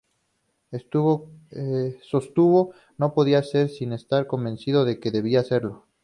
Sostuvo que no podría hacerlo sin estar convencido de que debía hacerlo.